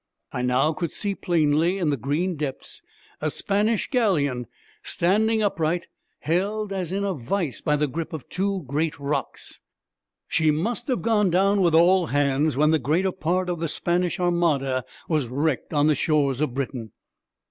I now could see plainly, in the green depths, a Spanish galleon, standing upright, held as in a vice by the grip of the two great rocks. She must have gone down with all hands, when the greater part of the Spanish Armada was wrecked on the shores of Britain.